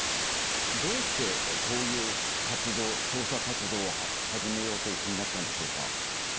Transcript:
どうして、こういう活動、調査活動を始めようという気になったんでしょうか？